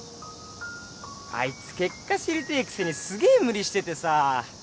あいつ結果知りてえくせにすげえ無理しててさ。